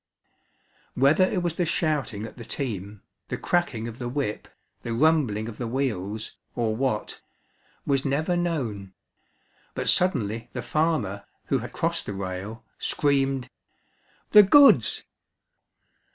Whether it was the shouting at the team, the cracking of the whip, the rumbling of the wheels, or what, was never known; but suddenly the farmer, who had crossed the rail, screamed, "The goods!"